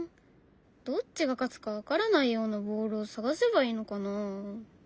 どっちが勝つか分からないようなボールを探せばいいのかなあ？